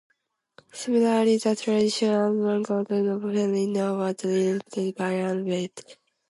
Similarly, the traditional Armenian goddess of fertility, Nar, was replaced by Anahit.